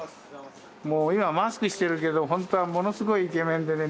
もう今はマスクしてるけどほんとはものすごいイケメンでね。